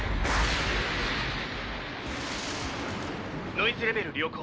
ノイズレベル良好。